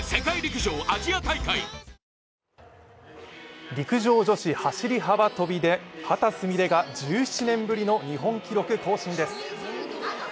あ陸上、女子走り幅跳びで秦澄美鈴が１７年ぶりの日本記録更新です。